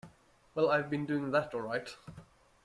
Well, I've been doing that, all right.